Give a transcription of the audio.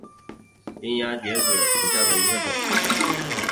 琼崖穴子蕨为禾叶蕨科穴子蕨属下的一个种。